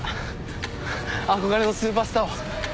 憧れのスーパースターを。